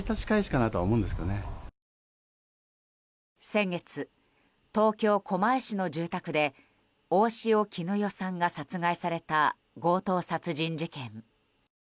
先月、東京・狛江市の住宅で大塩衣與さんが殺害された強盗殺人事件。